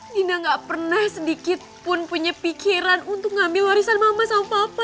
dina gak pernah sedikitpun punya pikiran untuk ngambil warisan mama sama papa